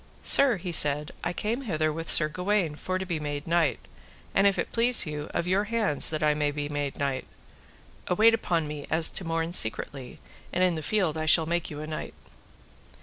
Sir, he said, I came hither with Sir Gawaine for to be made knight, and if it please you, of your hands that I may be made knight. Await upon me as to morn secretly, and in the field I shall make you a knight.